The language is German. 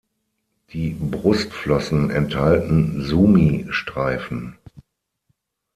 Die Brustflossen enthalten Sumi-Streifen.